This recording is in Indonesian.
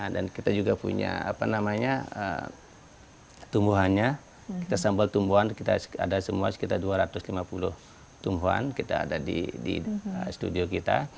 dan kita juga punya tumbuhannya kita sambal tumbuhan kita ada semua sekitar dua ratus lima puluh tumbuhan kita ada di studio kita